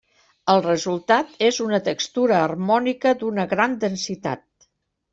El resultat és una textura harmònica d'una gran densitat.